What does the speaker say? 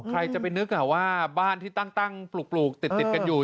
ใครจะไปนึกว่าบ้านที่ตั้งปลูกติดกันอยู่